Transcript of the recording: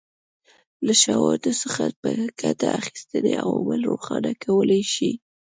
له شواهدو څخه په ګټې اخیستنې عوامل روښانه کولای شو.